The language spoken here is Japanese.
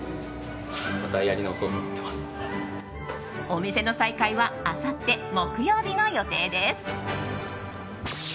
お店の再開はあさって、木曜日の予定です。